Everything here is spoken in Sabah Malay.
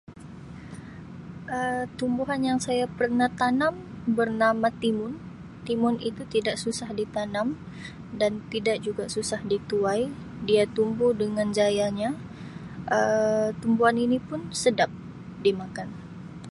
Um Tumbuhan yang pernah saya tanam bernama timun, timun itu tidak susah ditanam dan tidak juga susah dituai dia tumbuh dengan jayanya Um tumbuhan ini pun sedap dimakan.